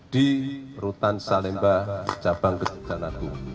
di rutan salimba cabang kecana